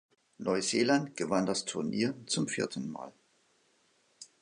Neuseeland gewann das Turnier zum vierten Mal.